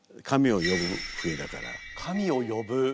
神をよぶ？